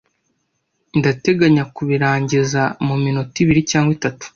Ndateganya kubirangiza mu minota ibiri cyangwa itatu.